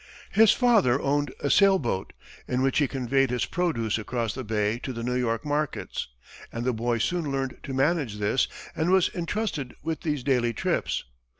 His father owned a sail boat, in which he conveyed his produce across the bay to the New York markets, and the boy soon learned to manage this and was intrusted with these daily trips.